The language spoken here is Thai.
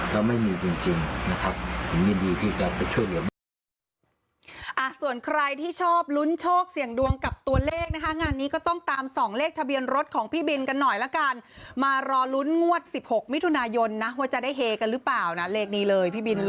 ก็ไม่มีจริงนะครับ